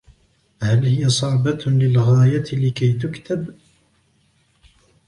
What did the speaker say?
هل هي صعبة للغاية لكي تُكتب؟